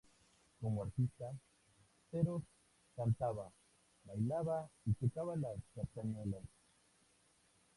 Como artista, Serós cantaba, bailaba y tocaba las castañuelas.